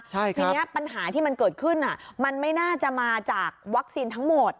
ทีนี้ปัญหาที่มันเกิดขึ้นมันไม่น่าจะมาจากวัคซีนทั้งหมด